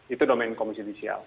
itu domen komisi judisial